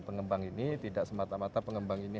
pengembang ini tidak semata mata pengembang ini